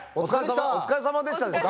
「お疲れさまでした」ですか？